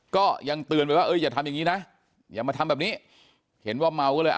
ก็ยังเตือนไปว่าเอออย่าทำอย่างนี้นะอย่ามาทำแบบนี้เห็นว่าเมาก็เลยอ่ะ